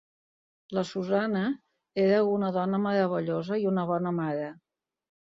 La Susanna era una dona meravellosa i una bona mare.